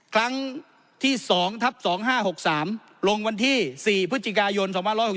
ครั้งที่๒ทับ๒๕๖๓ลงวันที่๔พฤศจิกายน๒๖๖